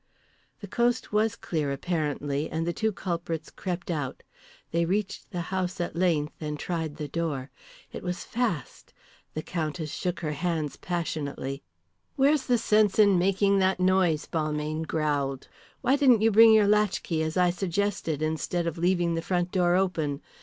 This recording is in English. The coast was clear apparently, and the two culprits crept out. They reached the house at length and tried the door. It was fast! The Countess shook her hands passionately. "Where's the sense in making that noise?" Balmayne growled. "Why didn't you bring your latchkey as I suggested, instead of leaving the front door open?